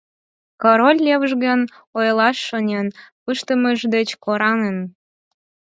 Король лывыжген, ойлаш шонен пыштымыж деч кораҥын.